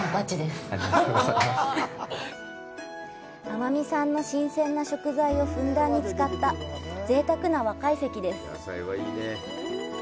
奄美産の新鮮な食材をふんだんに使ったぜいたくな和懐石です。